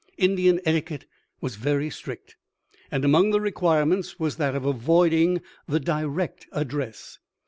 Indian etiquette was very strict, and among the requirements was that of avoiding the direct address.